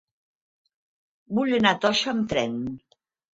Vull anar a Toixa amb tren.